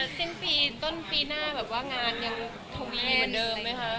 ซึ่งต้นปีหน้างานยังทวิน